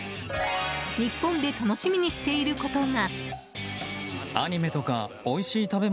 日本で楽しみにしていることが。